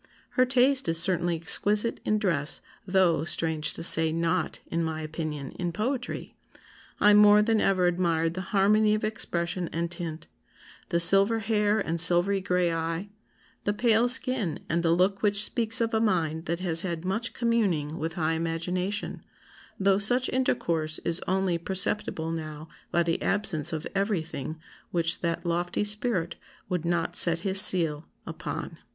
Her taste is certainly exquisite in dress though (strange to say) not, in my opinion, in poetry. I more than ever admired the harmony of expression and tint, the silver hair and silvery gray eye, the pale skin, and the look which speaks of a mind that has had much communing with high imagination, though such intercourse is only perceptible now by the absence of everything which that lofty spirit would not set his seal upon."